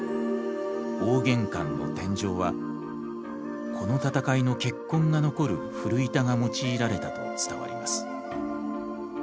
大玄関の天井はこの戦いの血痕が残る古板が用いられたと伝わります。